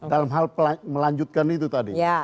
dalam hal melanjutkan itu tadi